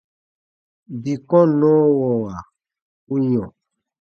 Dii kɔnnɔwɔwa u yɔ̃.